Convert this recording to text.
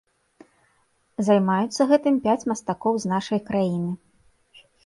Займаюцца гэтым пяць мастакоў з нашай краіны.